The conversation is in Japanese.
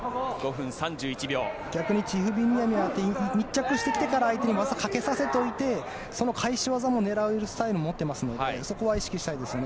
逆にチフビミアニは密着してきてから相手に技をかけさせておいてその返し技を狙えるスタイルも持っていますのでそこは意識したいですね。